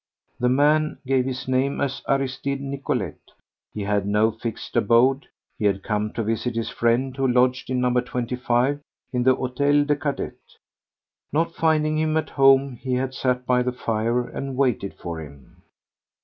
The man gave his name as Aristide Nicolet. He had no fixed abode. He had come to visit his friend who lodged in No. 25 in the Hôtel des Cadets. Not finding him at home he had sat by the fire and had waited for him.